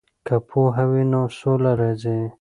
که پوهه وي نو سوله راځي.